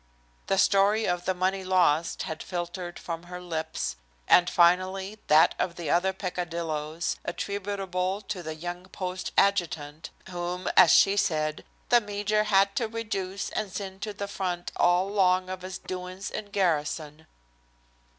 The story of the money lost had filtered from her lips, and finally that of other peccadilloes, attributable to the young post adjutant, whom, as she said, "The meejor had to rejuice and sind to the front all along of his doin's in gar'son."